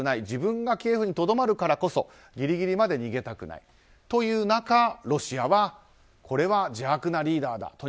自分がキエフにとどまるからこそギリギリまで逃げたくないという中ロシアは邪悪なリーダーだ